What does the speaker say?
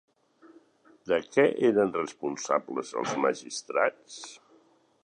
De què eren responsables els magistrats?